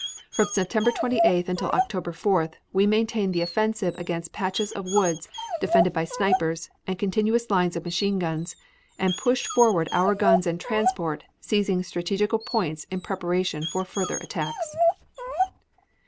From September 28th until October 4th we maintained the offensive against patches of woods defended by snipers and continuous lines of machine guns, and pushed forward our guns and transport, seizing strategical points in preparation for further attacks.